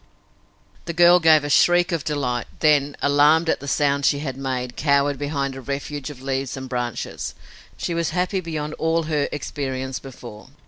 The girl gave a shriek of delight, then, alarmed at the sound she had made, cowered behind a refuge of leaves and branches. She was happy beyond all her experience before.